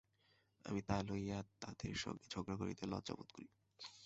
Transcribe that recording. আমি তা লইয়া তাদের সঙ্গে ঝগড়া করিতে লজ্জা বোধ করি।